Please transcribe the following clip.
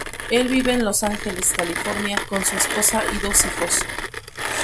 Él vive en Los Ángeles, California, con su esposa y dos hijos.